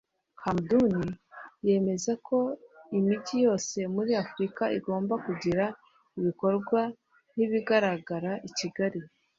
Hamadoun yemeza ko imijyi yose muri Afurika igomba kugira ibikorwa nk’ibigaragara i Kigali